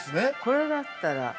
これだったら。